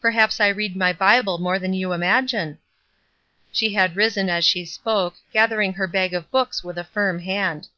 Perhaps I read my Bible more than you imagine." She had risen as she spoke, gathering her bag of books with a firm hand.